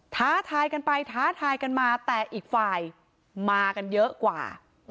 ท้าทายกันไปท้าทายกันมาแต่อีกฝ่ายมากันเยอะกว่า